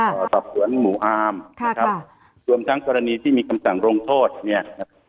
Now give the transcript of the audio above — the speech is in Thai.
ค่ะสอบสวนหมู่อาร์มค่ะค่ะรวมทั้งกรณีที่มีคำสั่งโรงโทษเนี่ย